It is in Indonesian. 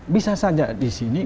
bisa saja disini